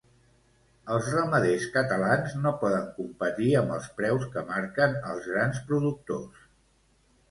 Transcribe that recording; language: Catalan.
Els ramaders catalans no poden competir amb els preus que marquen els grans productors.